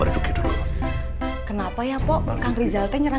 ada yang bilang juga kelompoknya kang rizal sendiri